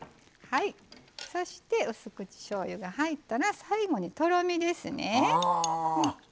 そしてうす口しょうゆが入ったら最後に、とろみですね。